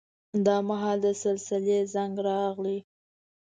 دا مهال د سلسلې زنګ راغی.